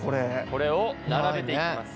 これを並べていきます。